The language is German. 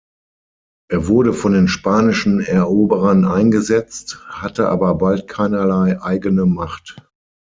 Er wurde von den spanischen Eroberern eingesetzt, hatte aber bald keinerlei eigene Macht.